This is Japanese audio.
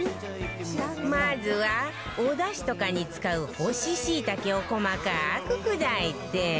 まずはお出汁とかに使う干ししいたけを細かく砕いて